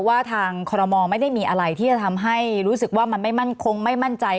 ว่าทางคอรมอลไม่ได้มีอะไรที่จะทำให้รู้สึกว่ามันไม่มั่นคงไม่มั่นใจ